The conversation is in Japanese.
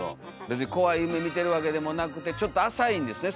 別に怖い夢見てるわけでもなくてちょっと浅いんですね